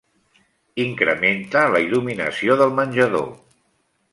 Incrementa la il·luminació del menjador.